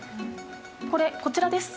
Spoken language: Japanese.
これこちらです。